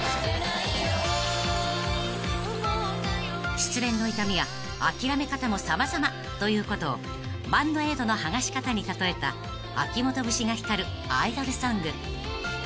［失恋の痛みや諦め方も様々ということをバンドエイドの剥がし方に例えた秋元節が光るアイドルソング］